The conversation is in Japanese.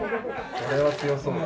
これは強そうだ。